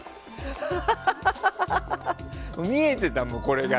見えていたもん、これが。